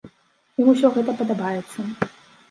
Ім усё гэта падабаецца.